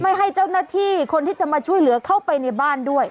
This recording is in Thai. ไม่ให้เจ้าหน้าที่คนที่จะมาช่วยเหลือเข้าไปในบ้านด้วย